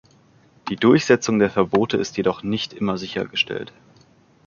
Die Durchsetzung der Verbote ist jedoch nicht immer sichergestellt.